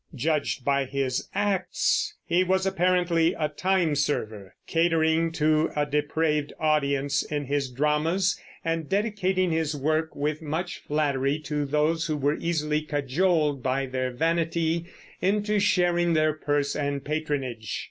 Judged by his acts, he was apparently a timeserver, catering to a depraved audience in his dramas, and dedicating his work with much flattery to those who were easily cajoled by their vanity into sharing their purse and patronage.